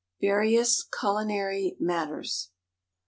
VARIOUS CULINARY MATTERS.